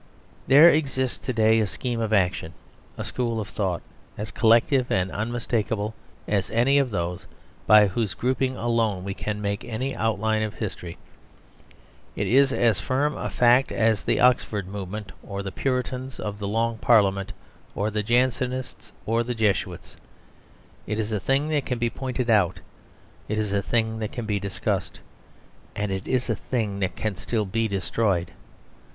There exists to day a scheme of action, a school of thought, as collective and unmistakable as any of those by whose grouping alone we can make any outline of history. It is as firm a fact as the Oxford Movement, or the Puritans of the Long Parliament; or the Jansenists; or the Jesuits. It is a thing that can be pointed out; it is a thing that can be discussed; and it is a thing that can still be destroyed.